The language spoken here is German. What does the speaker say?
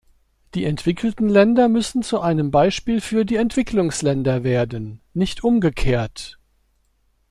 Die entwickelten Länder müssen zu einem Beispiel für die Entwicklungsländer werden, nicht umgekehrt.